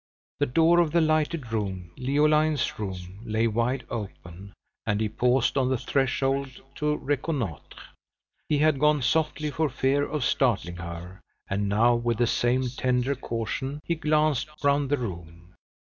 The door of the lighted room Leoline's room lay wide open, and he paused on the threshold to reconnoitre. He had gone softly for fear of startling her, and now, with the same tender caution, he glanced round the room.